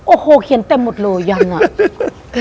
โอ้โหเขียนเต็มหมดเลยยันอ่ะ